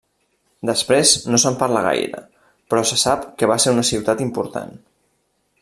Després no se'n parla gaire, però se sap que va ser una ciutat important.